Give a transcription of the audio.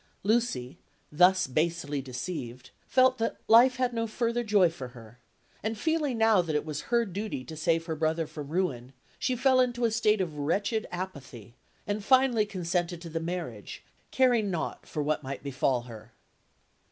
Lucy, thus basely deceived, felt that life had no further joy for her; and feeling now that it was her duty to save her brother from ruin, she fell into a state of wretched apathy, and finally consented to the marriage, caring naught for what might befall her.